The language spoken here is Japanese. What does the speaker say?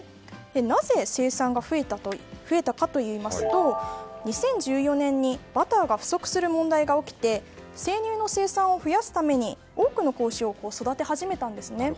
なぜ生産が増えたかといいますと２０１４年にバターが不足する問題が起きて生乳の生産を増やすために多くの子牛を育て始めたんですね。